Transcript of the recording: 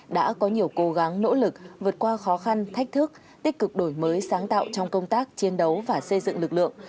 đã có nhiều cố gắng nỗ lực vượt qua khó khăn thách thức tích cực đổi mới sáng tạo trong công tác chiến đấu và xây dựng lực lượng